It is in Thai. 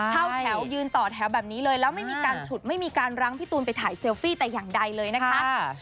เข้าแถวยืนต่อแถวแบบนี้เลยแล้วไม่มีการฉุดไม่มีการรั้งพี่ตูนไปถ่ายเซลฟี่แต่อย่างใดเลยนะคะ